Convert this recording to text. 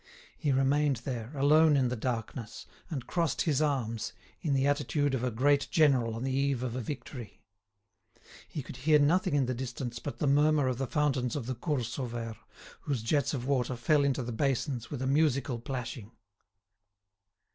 He remained there, alone in the darkness, and crossed his arms, in the attitude of a great general on the eve of a victory. He could hear nothing in the distance but the murmur of the fountains of the Cours Sauvaire, whose jets of water fell into the basins with a musical plashing.